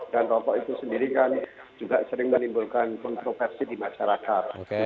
dan rokok itu sendiri kan juga sering menimbulkan kontroversi di masyarakat